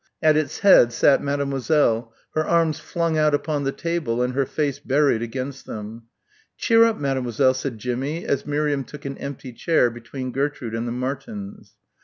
At its head sat Mademoiselle, her arms flung out upon the table and her face buried against them. "Cheer up, Mademoiselle," said Jimmie as Miriam took an empty chair between Gertrude and the Martins.